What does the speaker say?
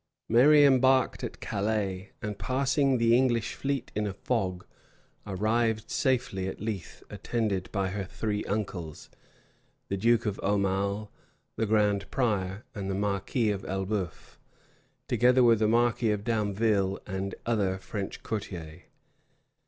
Mary embarked at Calais; and passing the English fleet in a fog, arrived safely at Leith, attended by her three uncles, the duke of Aumale, the grand prior, and the marquis of Elbeuf, together with the marquis of Damville and other French courtiers.